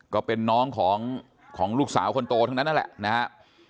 ก็เป็นน้องของลูกสาวคนโตทั้งนั้นนั่นแหละนะฮะ